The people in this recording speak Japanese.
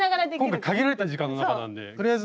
今回限られた時間の中なんでとりあえず。